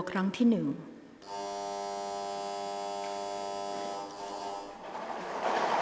กรรมการใหม่เลขเก้า